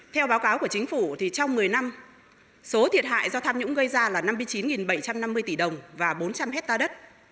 theo báo cáo của chính phủ trong một mươi năm số thiệt hại do tham nhũng gây ra là năm mươi chín bảy trăm năm mươi tỷ đồng và bốn trăm linh hectare đất